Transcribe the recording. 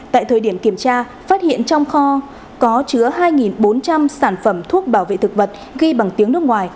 tại thời điểm kiểm tra phát hiện trong kho có chứa hai bốn trăm linh sản phẩm thuốc bảo vệ thực vật ghi bằng tiếng nước ngoài